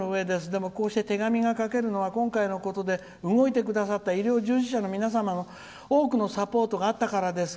でも、こうして手紙が書けるのは今回のことで動いてくださった医療従事者の皆様の多くのサポートがあったからです。